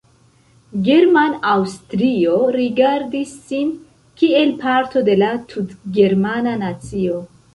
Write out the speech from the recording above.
German-Aŭstrio rigardis sin kiel parto de la tutgermana nacio.